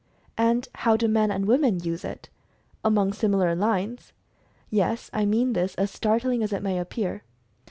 And how do men and women use it? Along similar lines ! Yes, I mean this, as startling as it may appear.